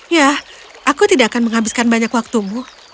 ya aku tidak akan menghabiskan banyak waktumu